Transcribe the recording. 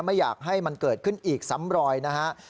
ไม่อยากให้มันเกิดขึ้นอีกซ้ำรอยนะฮะ